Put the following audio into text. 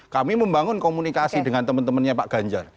kami membangun komunikasi dengan teman temannya pak ganjar